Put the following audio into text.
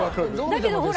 だけどほら